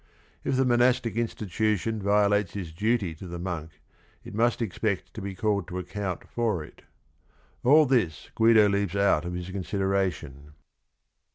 If the monastic institution violates its duty to the monk it must expect to be called to account for it. All this Guido leaves out of his consideration.